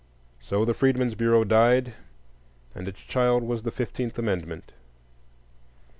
So the Freedmen's Bureau died, and its child was the Fifteenth Amendment.